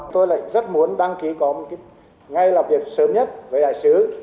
tôi lại rất muốn đăng ký có một cái ngay lập việc sớm nhất với đại sứ